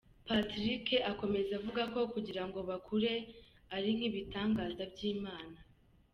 Patrick akomeza avuga ko kugirango bakure ari nk’ibitangaza by’Imana.